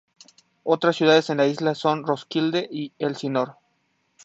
Otras ciudades en la isla son Roskilde y Elsinor.